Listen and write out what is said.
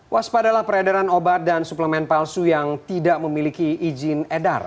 waspadalah peredaran obat dan suplemen palsu yang tidak memiliki izin edar